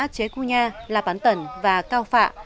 chế cư nha lạp án tần và cao phạ